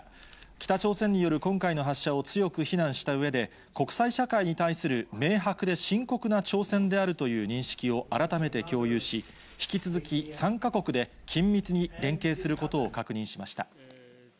北朝鮮による今回の発射を強く非難したうえで、国際社会に対する明白で深刻な挑戦であるという認識を改めて共有し、引き続き、３か国で緊密に連携することを確認しました。